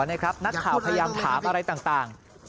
นักข่าวพยายามถามอะไรต่าง